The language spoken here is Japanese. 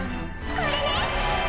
これね！